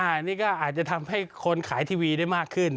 อันนี้ก็อาจจะทำให้คนขายทีวีได้มากขึ้น